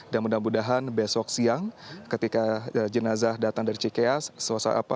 dan mudah mudahan besok siang ketika jenazah datang dari cikeas